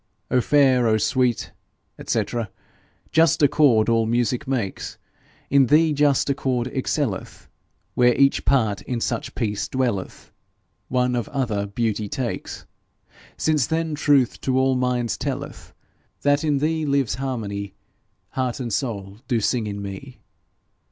O fair, O sweet, &c. Just accord all music makes: In thee just accord excelleth, Where each part in such peace dwelleth, One of other beauty takes. Since then truth to all minds telleth That in thee lives harmony, Heart and soul do sing in me.